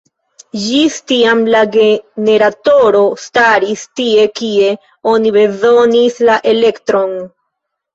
Ĝis tiam la generatoro staris tie kie oni bezonis la elektron.